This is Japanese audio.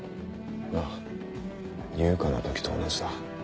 ああ悠香の時と同じだ。